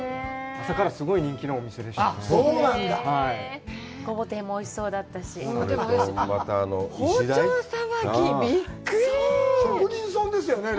朝からすごい人気のお店でしたね。